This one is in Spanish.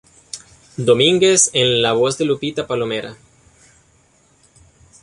Domínguez en la voz de Lupita Palomera".